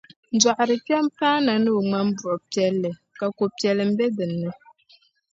Dɔɣirikpɛma paana ni o ŋmambuɣibila ka ko'piɛlim be di puuni.